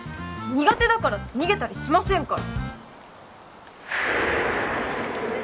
苦手だからって逃げたりしませんから